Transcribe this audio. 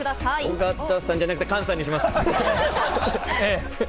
尾形さんじゃなくて、菅さんにします。